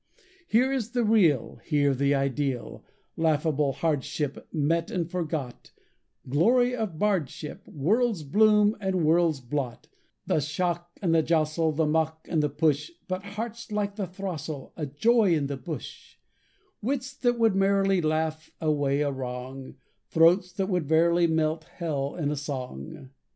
Here is the real, Here the ideal; Laughable hardship Met and forgot, Glory of bardship World's bloom and world's blot; The shock and the jostle, The mock and the push, But hearts like the throstle A joy in the bush; Wits that would merrily Laugh away wrong, Throats that would verily Melt Hell in Song.